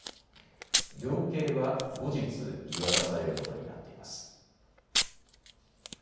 量刑は後日、言い渡されることになっています。